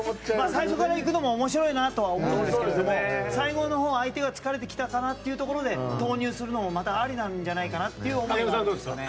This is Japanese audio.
最初から行くのも面白いなとは思うんですけど最後のほう、相手が疲れてきたかなというところで投入するのもありなんじゃないかな。